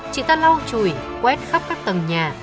chị ta lau chùi quét khắp các tầng nhà